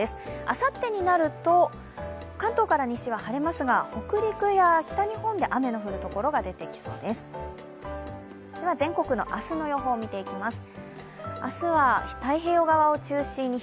あさってになると、関東から西は晴れますが、北陸や北日本で雨の降るところが出てきそうです。